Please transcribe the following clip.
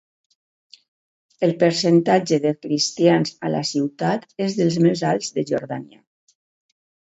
El percentatge de cristians a la ciutat és dels més alts de Jordània.